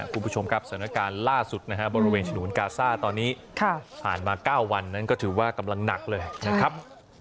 คุณผู้ชมครับสถานการณ์ล่าสุดนะครับบริเวณฉนวนกาซ่าตอนนี้ผ่านมา๙วันนั้นก็ถือว่ากำลังหนักเลยนะครับ